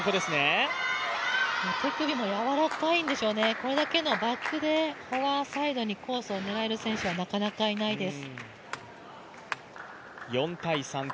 手首も柔らかいんでしょうね、これだけのバックにフォアサイドにコースを狙える選手はなかなかいないです。